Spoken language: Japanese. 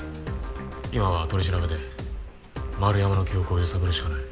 今は取り調べで円山の記憶を揺さぶるしかない。